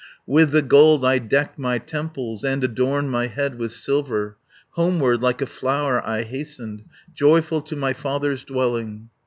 With the gold I decked my temples, And adorned my head with silver, Homeward like a flower I hastened, Joyful, to my father's dwelling.